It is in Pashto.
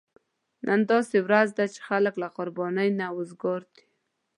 نن داسې ورځ ده چې خلک له قربانۍ نه وزګار دي.